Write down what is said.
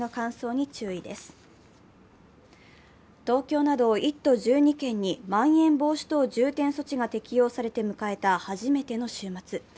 東京など１都１２県にまん延防止等重点措置が適用されて迎えた初めての週末。